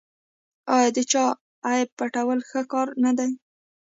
آیا د چا عیب پټول ښه کار نه دی؟